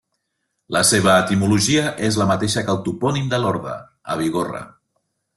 La seva etimologia és la mateixa que el topònim de Lorda, a Bigorra.